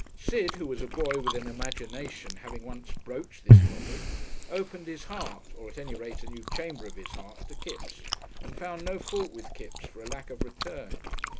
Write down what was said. Sid, who was a boy with an imagination, having once broached this topic, opened his heart, or at any rate a new wing of his heart, to Kipps, and found no fault with Kipps for a lack of return.